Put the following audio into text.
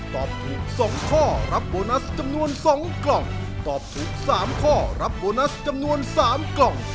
ตอบถูก๓ข้อรับโบนัสจำนวน๓กล่อง